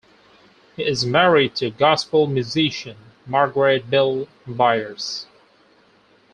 He is married to gospel musician, Margaret Bell-Byars.